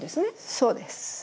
そうです。